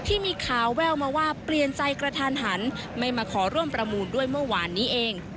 ที่มีข่าวแววมาว่าเปลี่ยนใจกระทันหันไม่มาขอร่วมประมูลด้วยเมื่อวานนี้เอง